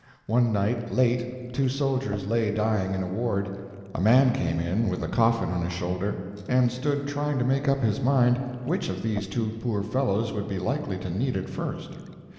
One night, late, two soldiers lay dying in a ward. A man came in with a coffin on his shoulder, and stood trying to make up his mind which of these two poor fellows would be likely to need it first.